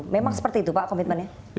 memang seperti itu pak komitmennya